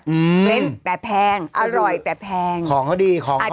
เน้นแต่แพงอร่อยแต่แพงของเขาดีของเขา